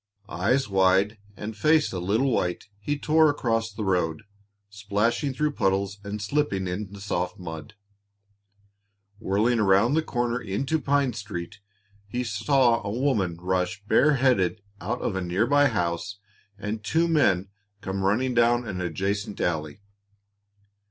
Eyes wide and face a little white, he tore across the road, splashing through puddles and slipping in the soft mud. Whirling around the corner into Pine Street, he saw a woman rush bareheaded out of a near by house and two men come running down an adjacent alley.